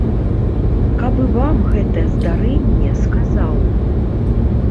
Каб і вам гэта здарэнне сказаў!